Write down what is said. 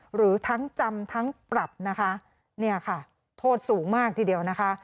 หรือทั้งจำทั้งปรับนะคะเนี่ยค่ะโทษสูงมากทีเดียวนะคะ